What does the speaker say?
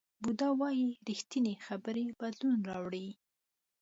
بودا وایي ریښتینې خبرې بدلون راوړي.